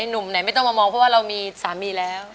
หนุ่มไหนไม่ต้องมามองเพราะว่าเรามีสามีแล้ว